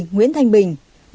một mươi nguyễn thanh bình